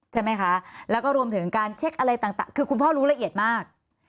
ใช่ไหมคะแล้วก็รวมถึงการเช็คอะไรต่างคือคุณพ่อรู้ละเอียดมาก